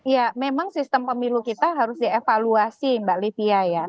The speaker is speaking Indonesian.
ya memang sistem pemilu kita harus dievaluasi mbak livia ya